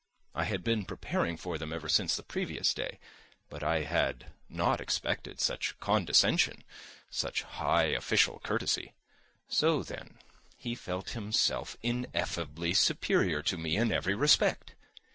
I had been preparing for them ever since the previous day, but I had not expected such condescension, such high official courtesy. So, then, he felt himself ineffably superior to me in every respect!